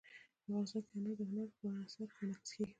افغانستان کې انار د هنر په اثار کې منعکس کېږي.